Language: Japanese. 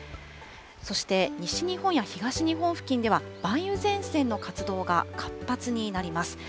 そして西日本や東日本付近では、梅雨前線の活動が活発になります。